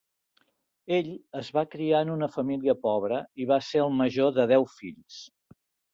Ell es va criar en una família pobra i va ser el major de deu fills.